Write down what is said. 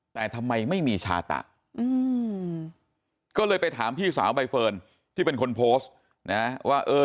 แต่ทำไมไม่มีชาตะก็เลยไปถามพี่สาวใบเฟิร์นที่เป็นคนโพสต์นะว่าเออ